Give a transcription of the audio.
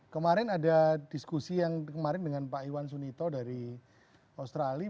kemarin ada diskusi yang kemarin dengan pak iwan sunito dari australia